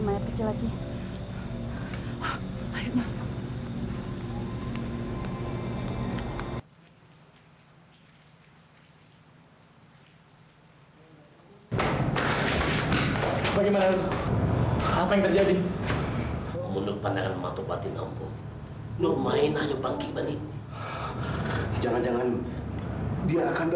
amri takut malam lewat